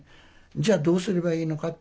じゃどうすればいいのかって